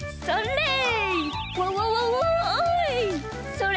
それ。